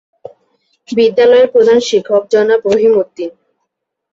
বিদ্যালয়ের প্রধান শিক্ষক জনাব রহিম উদ্দিন।